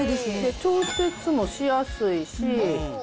調節もしやすいし。